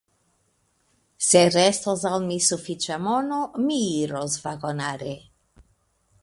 Se restos al mi sufiĉa mono, mi iros vagonare.